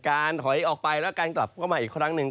ถอยออกไปแล้วการกลับเข้ามาอีกครั้งหนึ่ง